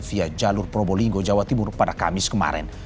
via jalur probolinggo jawa timur pada kamis kemarin